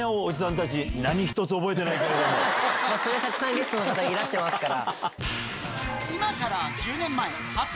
たくさんゲストの方いらしてますから。